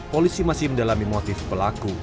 polisi masih mendalami motif pelaku